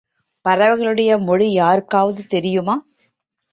பறவைகளுடைய மொழி யாருக்காவது தெரியுமா?